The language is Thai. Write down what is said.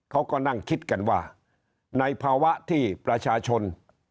เขาก็นั่งคิดกันว่าในภาวะที่ประชาชน